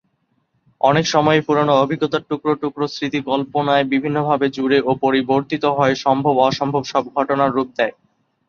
অনেক সময়ই পুরনো অভিজ্ঞতার টুকরো টুকরো স্মৃতি কল্পনায় বিভিন্নভাবে জুড়ে ও পরিবর্তিত হয়ে সম্ভব অসম্ভব সব ঘটনার রূপ নেয়।